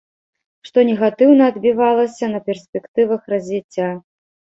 Што негатыўна адбівалася на перспектывах развіцця.